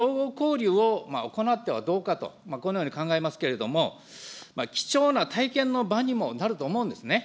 海外選手との相互交流を行ってはどうかと、このように考えますけれども、貴重な体験の場にもなると思うんですね。